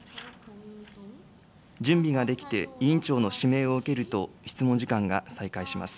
準備ができて、委員長の指名を受けると、質問時間が再開します。